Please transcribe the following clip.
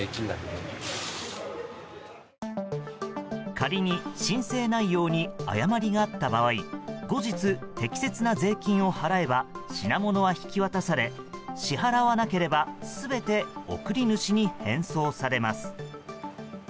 仮に申請内容に誤りがあった場合後日、適切な税金を払えば品物は引き渡され支払わなければ全て送り主に返送されます。